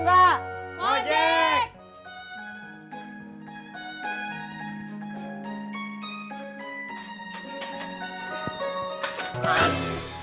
jadi ngojek apa enggak